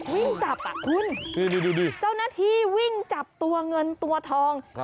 วิ่งจับคุณดูดิเจ้าหน้าที่วิ่งจับตัวเงินตัวทอง